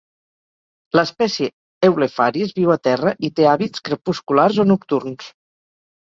L'espècie "Eublepharis" viu a terra i té hàbits crepusculars o nocturns.